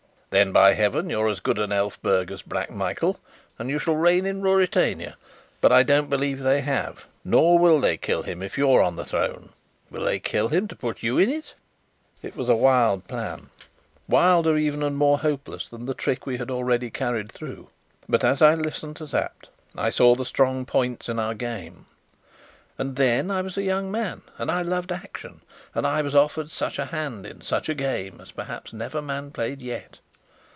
"Then, by heaven, you're as good an Elphberg as Black Michael, and you shall reign in Ruritania! But I don't believe they have; nor will they kill him if you're on the throne. Will they kill him, to put you in?" It was a wild plan wilder even and more hopeless than the trick we had already carried through; but as I listened to Sapt I saw the strong points in our game. And then I was a young man and I loved action, and I was offered such a hand in such a game as perhaps never man played yet.